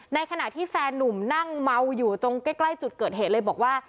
ในขณะที่แฟนนุ่มนั่งเมาอยู่ตรงใกล้จุดเกิดเหตุเลยบอกว่า